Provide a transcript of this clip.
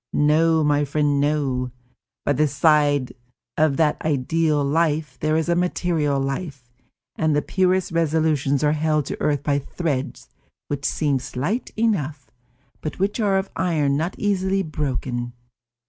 No, my friend, no. By the side of that ideal life, there is a material life, and the purest resolutions are held to earth by threads which seem slight enough, but which are of iron, not easily to be broken.